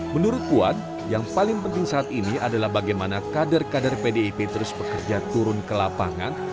menurut puan yang paling penting saat ini adalah bagaimana kader kader pdip terus bekerja turun ke lapangan